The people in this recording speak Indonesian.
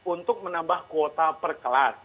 untuk menambah kuota per kelas